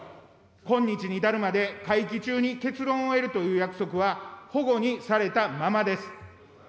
今日に至るまで、会期中に結論を得るという約束はほごにされたままです。